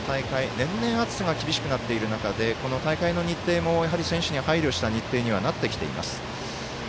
年々、暑さが厳しくなっている中大会の日程も配慮した日程になってきています。